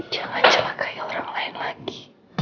jangan celakai orang lain lagi